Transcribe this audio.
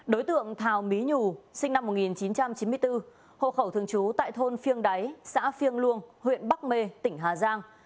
đối tượng thào mý nhù sinh năm một nghìn chín trăm chín mươi bốn hộ khẩu thường trú tại thôn phiêng đáy xã phiêng luông huyện bắc mê tỉnh hà giang